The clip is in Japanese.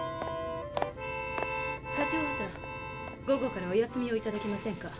課長補佐午後からお休みをいただけませんか？